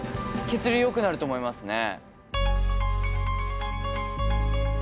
血流よくなると思いますね。